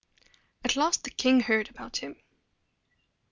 At last the king heard about him.